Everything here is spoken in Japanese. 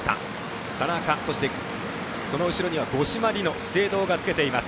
田中、その後ろには五島莉乃がつけています。